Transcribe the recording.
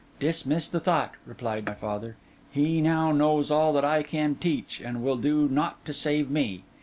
'Dismiss the thought,' replied my father. 'He now knows all that I can teach, and will do naught to save me.